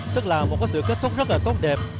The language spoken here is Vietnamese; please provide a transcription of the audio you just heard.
tức là một sự kết thúc rất tốt đẹp